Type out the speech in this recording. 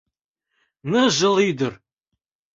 Ныжыл Ӱдыр.